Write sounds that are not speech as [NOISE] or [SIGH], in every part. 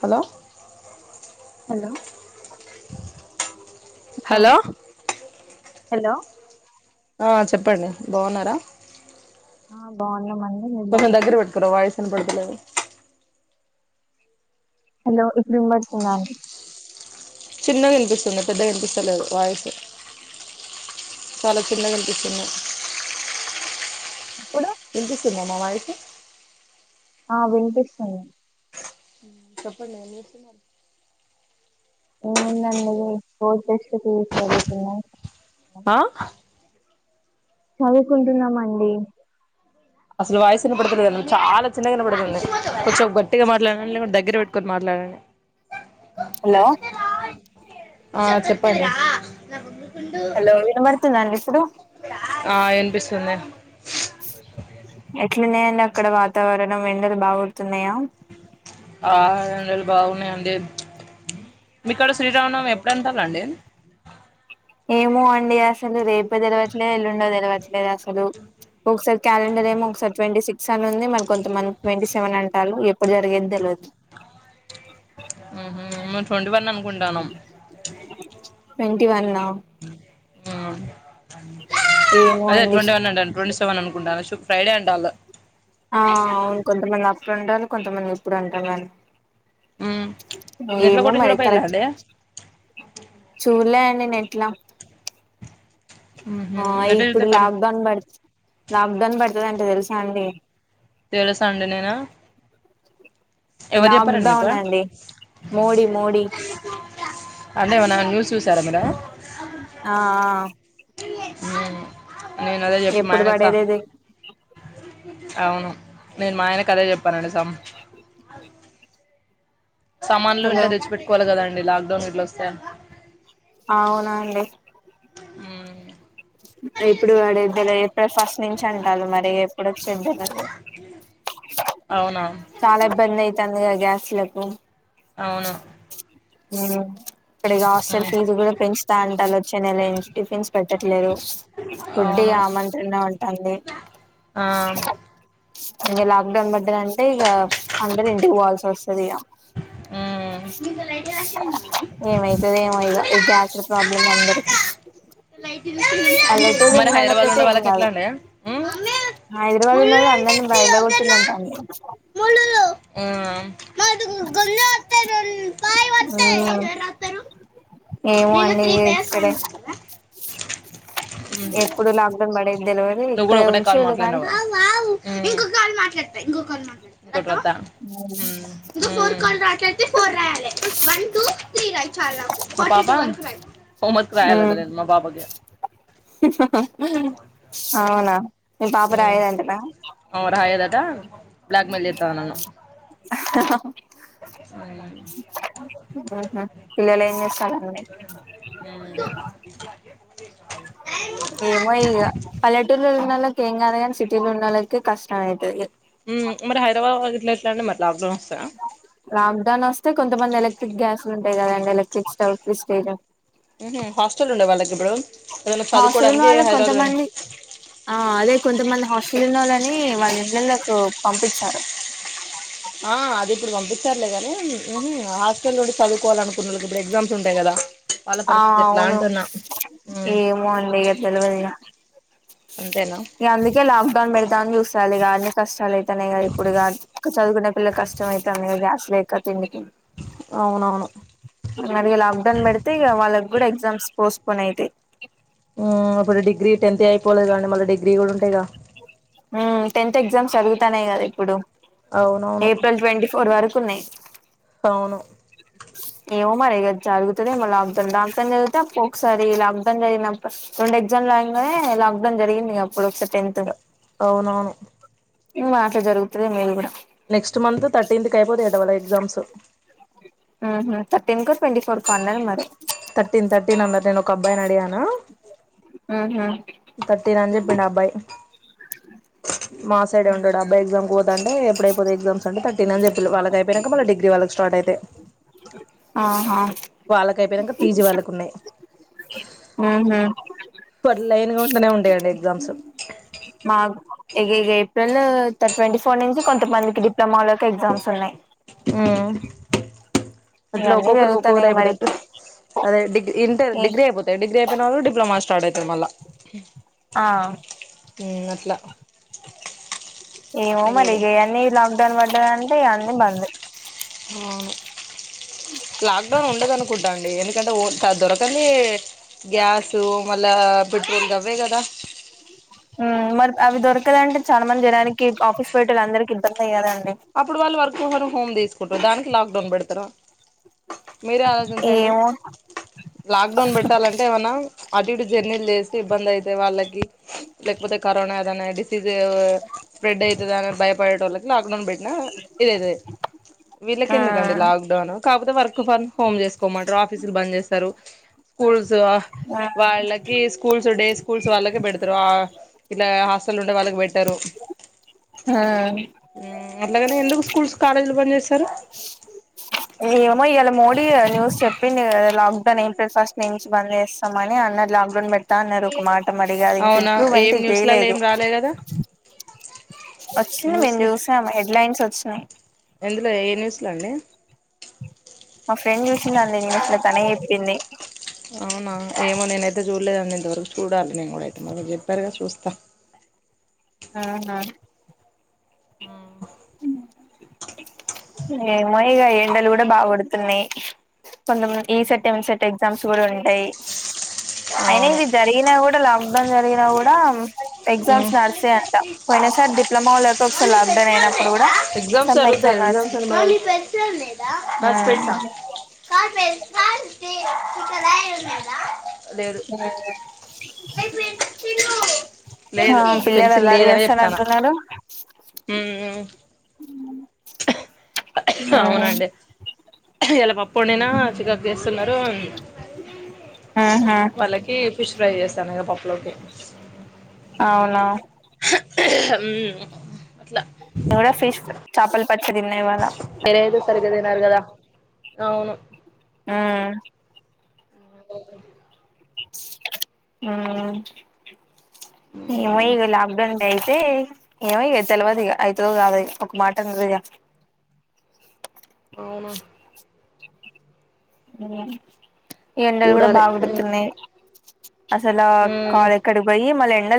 Hello hello hello hello ఆ చెప్పండి బాగున్నారా ఆ బాగున్నా మండి కొంచం దగ్గర పెట్కోరా వాయసు వినపడుతలేదు హలో ఇప్పుడు ఇనబడుతుందా అండి చిన్నగా వినిపిస్తుంది పెద్దగా వినిపిస్తలేదు వాయిసు చాలా చిన్నగా వినిపిస్తుంది ఇపు ఇనిపిస్తుందా నా వాయిసు ఆ వినిపిస్తుంది చెప్పు ఏంచేస్తున్నారు [UNINTELLIGIBLE] ఆ చదువుకుంటున్నామండి అసలు వాయసు ఇనపడుతలేదు చాలా చిన్నగా ఇనపడుతుంది కొంచెం గట్టిగా మాట్లాదండి లేకపోతే దగ్గర పెట్టుకొని మాట్లా అ హలో ఆ చెప్పండి హలో ఇనబడుతుందా అండి ఇప్పుడు ఆ ఇనిపిస్తుంది ఎట్లున్నాయి అండి అక్కడ వాతావరణం ఎండలు బాగోడుతున్నాయా ఆ ఎండలు బాగున్నాయి అండి మీకాడ శ్రీరామనవమి ఎప్పుడంటాలండి ఏమో అండి అసలు రేపో తెలవట్లేదు ఎల్లుండో తెలవట్లేదు అసలు ఒకసారి క్యాలెండర్ ఏమో ఒకసారి ట్వంటీ సిక్స్ అని ఉంది మరి కొంత మంది ట్వంటీ సెవెన్ అంటారు ఎప్పుడు జరిగేది తె అ ఆహ మేం ట్వంటీ వన్ అనుకుంటానమ్ ట్వంటి వన్ ఆ ఏమో అదే అండి ట్వంటీ వన్ అంటన్న ట్వంటీ సెవెన్ అనుకుంటా శు ఫ్రైడే అంటలు అట్లాటలు కొంతమంది ఇట్ల అంటాలు ఊమ్ మరీ నెట్లో ఏమో కూడా మరి చూడపోయిలా కరెక్ట్ అండి చూలే నేట్లా ఊహు ఆ నెట్లో చూతే ఇప్పుడు కను లాక్డౌన్ పడు లాక్డౌన్ పడుతదట తెలుసా అండి ఇయ్యాల సండే నేనా లాక్డౌన్ అండి మోడీ మోడీ అంటేమనా న్యూస్ చూసారా మీరు ఆ హ ఊమ్ నేను అదే చెప్పా ఎప్పుడు మాయనకు పడేదేది అవును నేను మా ఆయనకు అదే చెప్పానండి సమ్ సామాన్లు హలో ఇంట్లో తెచ్చిపెట్టుకోవాలి కదా అండి లాక్డౌన్ గిట్లా వస్తె అవునండి హుమ్ ఏప్పుడు వడేదేలు డే ఫస్ట్ నుంచి అంటాలు మరి ఎప్పుడు వచెదలవదు ఇగ అవునా చాలా ఇబ్బంది అయితంది కదా గ్యాస్లకు అవును అవు ఇక్కడ హాస్టల్ ఫీజు కూడా పెంచుతా అంటలు వచ్చే నెల టిఫిన్స్ పెట్టట్లేదు ఆ ఫుడ్ ఇగ అవును [UNINTELLIGIBLE] అంటాంది ఆ ఇగ లాక్ డౌన్ పడ్డది అంటే ఇగా అందరు ఇంటికి పోవాల్సి వస్తది ఇగా ఉహు ఏమవుతదో ఏమో ఇగ ఈ గ్యాస్ల ప్రాబ్లమ్ అందరికి లైట్ చూసి పల్లెటూరు మరి హైదరాబాద్ ఉన్నళ్ళకైతే ఉండే ఏం వాళ్ళకి ఎట్లా కాదు అండి ఉమ్, మమ్మీ హైదరాబాద్ ముళ్ళు ఉన్నళ్ళ అ అందరిని బయలు వెళ్ల కొట్టింది అంటాది ఆ ఆ ఏమో నేను అండి త్రీ పేర్స్ ఇక్కడే రాయమన్నా కదా ఉమ్. ఎప్పుడు లాక్డౌన్ పడేది తెలవదు నువ్వు కూడా ఇక్కడే ఒకే కాల్ ఉంచిల్లు కానీ మాట్లాడివు కదా ఉమ్ ఉం మా పాప హోమ్ వర్క్ రాయాలట మ్మ్ నేను మా పాపకి. అవునా మీ పాప రాయదంటనా అ రాయాలట బ్లాక్ మేల్ జెత్తంది నను ఆహా హ ఆహా పిల్లలు ఏం ఉమ్ ఏమో ఇగ పల్లెటూర్లలో కేం కాదు గాని సిటీల్ ఉన్నవాళ్ళకి కష్టమైతది. మరి హైదరాబాద్ల ఇట్ల ఎట్లాండి మరి లాక్డౌన్ వస్తాయా లాక్డౌన్ వస్తే కొంతమంది ఎలక్ట్రిక్ గ్యాస్ ఉంటాయి కద అండి ఎలక్ట్రిక్ స్టవ్ ప్రెస్టేజ్ ఉహు హస్టెల్ ఉండేవాల హాస్టల్ ఉన్న వల్ల పోయిన కొంతమంది ఆ అదే కొంతమంది హాస్ట తిన్నోళని వాళ ఇళ్లలకు పంపించారు. ఆ అది ఇప్పుడు పంపించారులేగాని ఉహు హాస్టల్ నుండి చదువుకోవాలి అనుకున్న వాళ్ళకి ఇప్పుడు ఎగ్జామ్స్ ఉంటాయి కదా వాళ్ళ ఆ పరిస్థితి ఎట్లా అవును అంటున్నా ఉమ్ ఏమో అండి తెలువదు ఇగ అంతేనా ఇగ అందుకే లాక్ డౌన్ పెడతా అని చూస్తాలు ఇగ బాగానే కష్టాలు అయితున్నాయి క ఇప్పుడుగా చదువుకునే పిల్ల కష్టం అవుతున్నా గ్యాస్ లేక తిండికి అవునవును మరిగ లాబ్డౌన్ బడితే ఈ వాళ్ళ మకుడ ఎగ్జామ్స్ పోస్పోన్ అయితయి ఇప్పుడు డిగ్రీ టెన్త్ అయిపోలేదు కానీ మళ్ళీ డిగ్రీ కూడా ఉంటాయి క టెన్త్ ఎగ్జామ్స్ జరుగుతానేయి కదా ఇప్పుడు అవునవును ఏప్రిల్ ట్వంటీ ఫోర్ వరకు కునాయి అవును ఏమో మరి ఇగ జరుగుతది ఏమో లాక్ డౌన్ జరిగితే అప్పు ఒకసారి లాక్ డౌన్ జరిగినప్పుడు అడ్ ఎగ్జామ్ గానే లాక్ డౌన్ జరిగింది అప్పుడు ఒకసారి టెన్త్ అవునవును ఏమో అట్ల జరుగుతది ఏమో ఇది కూడా నెక్స్ట్ మంత్ థర్టీన్త్ కి అయిపోతాయి అంట వాళ్ళ ఎగ్జామ్స్ ఉహు థర్టీన్ కు ట్వంటీ ఫోర్ కు అన్నది మరి థర్టీన్ థర్టీన్ అన్నారు నేను ఒక అబ్బాయిని అడిగాను ఆహ థర్టీన్ అని చెప్పిండు ఆ అబ్బాయి మా సైడే ఉంటడు అబ్బాయి ఎగ్జామ్ కి పోతంటే ఎప్పుడయిపోతే ఎ్జాస్ అంట తర్టీన్ అని చెప్పిన్లు వాళ్ళకి అయినా మళ్ళ డిగీ వాళ్ళ స్టార్ట్ ఇప్పుడైతే ఆహా వాళ్ళక అయిపోయినాక పీజీ వాళ్ళకు ఉన్నాయి ఉహూ ఎప్పుడట్లనే లైన్గా ఉంటనే ఉండేయండి ఎగ్జామ్స్ మాక్ ఇ ఇ ఏప్రిల్ర్ ట్వంటీ ఫోర్ నుంచి కొంతమందికి పప్లొమా లోకి ఎగ్జామ్స్ ఉన్నాయి ఉ అట్లా ఇవన్నీ ఒక్కొక్కరికి ఒక్కొక్కరు జరుగుతాన్నాయి మరి అయిపోతుట్టు అదే డిగ్రీ ఇంటర్ ఏ డిగ్రీ అయిపోతాయి డిగ్రీ అయిపోయిన వాళ్ళు డిప్లొమా స్టార్ట్ అవుతాది మళ్ళ ఆ మ్ అట్లా ఏమో మీరు మరి కూడా ఇగ అన్నీ లాక్డౌన్ పడ్డద అంటే ఇ అన్నీ బందు అవును లాక్డౌన్ ఉండద అనుకుంటా అండి ఎందుకంటే ఓ దొరకంని గ్యాసు మళ్ళా పెట్రోల్ దవ్వే కదా మరి అవి దొరకదంటే చాలా మంది జనానికి ఆఫీస్ పోయేటోల్ల వాళ్ళందరికకి ఇబ్బంది అయ్యారుడి అప్పుడు వాళ్ళు వర్క్ ఫర్ హోమ్ తీసుకుంటారు దానికి లాక్ డౌన్ పెడతారా మీరే ఆలోచించండి ఏమో లాక్డౌన్ పెట్టాలంటే ఏమనా అటు ఇటు జర్నీలు చేస్తే ఇబ్బంది అయితే వాళ్ళకి లేకపోతే కరోనా ఏదైనా డిసీజ్ స్ప్రెడ్ అయితదా భయపడటోళ్ళకి లాక్డౌన్ బె ఇదది వీళ్ళక ఎందుకండి ఉమ్ లాక్డౌన్ కాకపోతే వ వర్క్ ఫ్రం హోమ్ చేసుకోమంటారు ఆఫీసులు బంద్ చేస్తారు స్కూల్స్ వాళ్ళకి స్కూల్స్ డే స్కూల్స్ వాళ్ళకి పెడతారు ఆ ఇట్లా అసలు ఉండే వాళ్ళకి పెట్టారు ఆ అట్లాగనే ఎందుకు స్కూల్స్ కాలేజీలు బంద్ చేస్తారు [INAUDIBLE] ఏమో ఇయళ మోడీ న్యూస్ చెప్పిడు లాక్డౌన్ ఏం ఫస్ట్ నుంచి బంద్ చేస్తామని అన్నరు లాక్డౌన్ పెడతా అన్నరు ఒక మరి ఇగ అవునా ఇంప్రూవ్మెంట్ ఏం న్యూస్లలో చేయలేదు ఏం రాలే కదా వచ్చింది మేము న్యూస్లే చూసాం హెడ్లైన్స్ వచ్చినాయి ఎందులో ఏ న్యూస్లో అండి మా ఫ్రెండ్ చూసింది అంది న్యూస్ లో తనే చెప్పింది అవునా ఏమో నేనైతే చూడలేదండి ఇంతవరకు చూడాలి నేను కూడా అైతే మ చెప్పారుగా చూస్తాను త ఆ హా ఆ ఏమో ఇక ఎండలు కూడా బాగపడుతున్నాయి కొంతమంది ఈ సట్ ఎంసెట్ ఎగ్జామ్స్ కూడా ఉంటాయి అయినా అవును ఇది జరిగినా కూడా లాక్ డౌన్ జరిగినా కూడా ఎగ్జామ్స్ నడుస్తాయి అంట పోయినా సారి డిప్లొమా లో ఎగ్జామ్స్ ఎగ్జామ్ జరుగుతాయండి నడిచింది [UNINTELLIGIBLE] [INAUDIBLE] లేదు మ్ ఆ లేదు పిల్లలు అల్లరి చేస్తానట్టున్నారు మ్ అవునండి ఈయాల పప్పు వండిన చికాకు స్తున్నారు ఆహా వాళ్ళకి ఫిష్ ఫ్రై చేస్తాను కదా పప్పులోకి అవును మ్ అట్లా కూడా ఫిష్ చేపలు పచ్చిడి తిన్నాయివాళ మీరైతే [UNINTELLIGIBLE] అవును మ్ [UNINTELLIGIBLE] మ్ ఏమో ఇగ లాక్ డౌన్ అయితే ఏమో ఇగ తెల్వదు ఇగ అయితదో కాదో ఒక మాట అన్నది ఇక - [INAUDIBLE] అవునా ఈ ఎండలు కూడా చూడాలి బాగుగుడుతున్నాయి. అసలా నేను కాలేక్కడ పోయి మల్ల ఎండాలే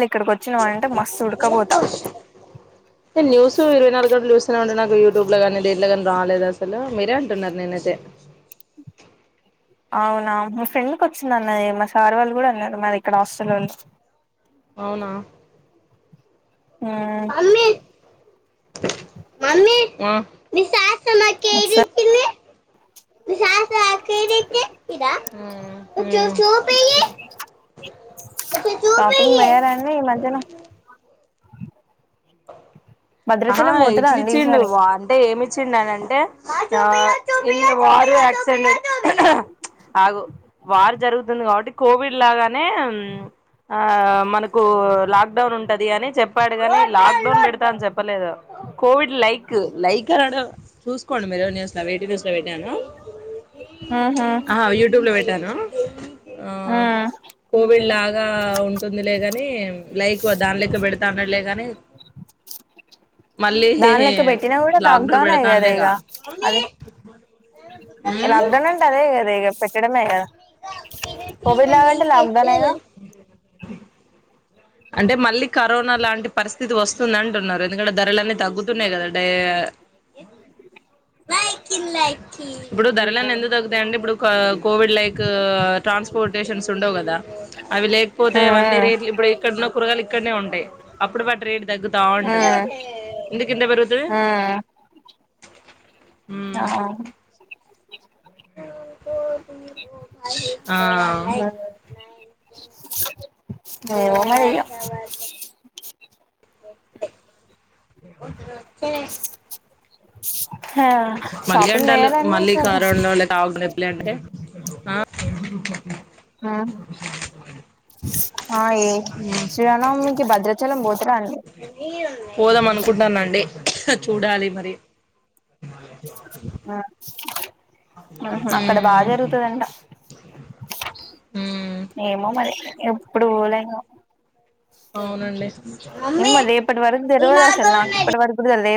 న్యూస్ ఇరవై నాలుగు గంటలు చుస్ నే ఉండు నా యూట్యూబ్ లో గానీ దేట్లో గాని రాలేదు అసలు మీరే అంటున్నారు నేనైతే అవునా మా ఫ్రెండ్కి వచ్చింది అన్నదె మా సార్ వాళ్ళు గూడా అన్నారు మరి ఇక్కడ హాస్టల్లో వోళ్ళు అవునా మ్మ్ మమ్మీ మమ్మీ మీ ఓక్ సార్ [UNINTELLIGIBLE] చుపియ్యి షాపింగ్ పోయారాండి ఈ మధ్యన ఆహ భద్రాచలం పోతురా అండి ఇట్లిచ్చిండు ఈసారి వా అంటే ఏమిచ్చిండు అని అంటే [UNINTELLIGIBLE] ఆగు వార్ జరుగుతుంది కాబట్టి కోవిడ్ లాగానే ఆ మనకు లాక్ డౌన్ ఉంటది అని చెప్పాడు గాని లాక్ డౌన్ పెడతా అని చెప్ప కోవిడ్ లైక్ లైక్ అ చూసుకోండి మీరు న్యూస్లో వె టూ న్యూస్లో పెట్టాను ఉహు ఆహా యుట్యూబ్ లో పెట్టాను ఉమ్ కోవిడ్ లా గా ఉంటుంది లేగాని లైక్ దాని లెక్క పెడతా అన్నలే గాని మళ్ళీ దాని లెక్క పెట్టినా కూడా లాక్డౌన్ ఏ కదా ఇగ అదే లాక్డౌన్ అంటే అదే గదా ఇగ పెట్టడమే గదా లాక్డౌనేగా [UNINTELLIGIBLE] అంటే మళ్ళీ కరోనా లాంటి పరిస్థితి వస్తుందంటున్నారు ఎందుకంటే ధరలన్నీ తగ్గుతున్నాయి గదా డయ నాయి కిడ్లయి ఇప్పుడు ధరలన్ని మ్మ్ ఎందుకు తగ్గుతాయి అండి ఇప్పుడు కోవిడ్ లైక్ ట్రాన్స్పోర్టేషన్ ఉండవు గదా అవి లేకపోతే అవన్నీ మ్మ్ రేట్లు ఇప్పుడు కూరగాలు ఇక్కడనే ఉంటాయి అప్పుడువాటి రేట్ తగ్గుతా ఉంటంది మ్మ్ ఎందుకింత పెరుగుతది మ్మ్ ఆ ఆవ్ ఏమో ఇగ ఎ అ మళ్ళ అంటల్లు పోయారండి మళ్ళీ ఈసారి కరోలేలో [UNINTELLIGIBLE] ఎప్పులే అంటే ఆ ఆ ఆ ఏ చానా భద్రాచలం బోతార అండి పోదాం అనుకుంటన్న అండి చూడాలి మరి మ్మ్ హు అక్కడ బాగా ఉమ్ జరుగుతుందంట ఉమ్ ఏమో మరి ఎప్పుడు పోలె ఇంగ అవునండి ఎమొ రెప్పటి వరకు తెలవదసలు నా ఇప్పటి వరకు తె